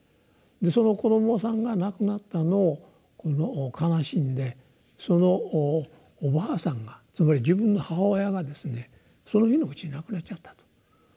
その子どもさんが亡くなったのを悲しんでそのおばあさんがつまり自分の母親がですねその日のうちに亡くなっちゃったと。